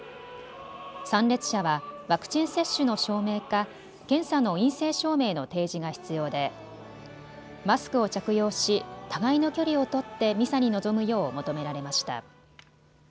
参列者はワクチン接種の証明か検査の陰性証明の提示が必要でマスクを着用し互いの距離を取ってミサに臨むよう求められました。